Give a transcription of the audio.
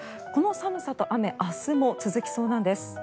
この寒さと雨明日も続きそうなんです。